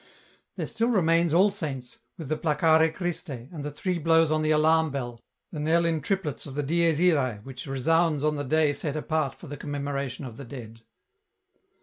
There still remains All Saints, with the " Placare Christe," and the three blows on the alarm bell, the knell in triplets of the " Dies Irse," which resounds on the day set apart for the Commemoration of the Dead.